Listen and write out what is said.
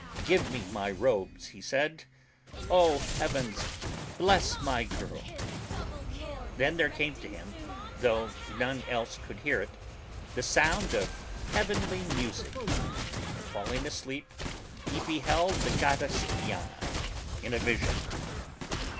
"Give me my robes," he said: 0 Heavens, bless my girl !" Then there came to him, though none else could hear it, the sound of heavenly music, and falling asleep, he beheld the goddess Diana, in a vision.